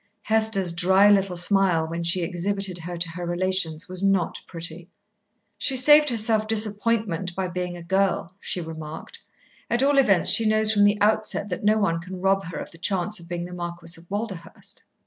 Hester's dry, little smile when she exhibited her to her relations was not pretty. "She saved herself disappointment by being a girl," she remarked. "At all events, she knows from the outset that no one can rob her of the chance of being the Marquis of Walderhurst."